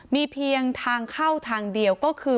มีเพียงทางเข้าทางเดียวก็คือ